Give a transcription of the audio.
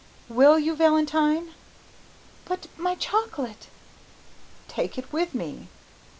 "Will you, Valentine?" "But my chocolate " "Take it with me."